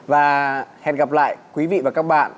và hẹn gặp lại quý vị và các bạn